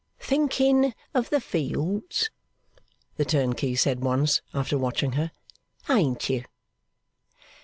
'Thinking of the fields,' the turnkey said once, after watching her, 'ain't you?